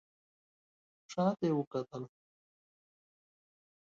شا ته یې وکتل.